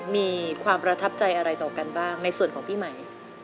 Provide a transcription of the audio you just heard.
มีความประทับใจอะไรต่อกันบ้างในส่วนของพี่ใหม่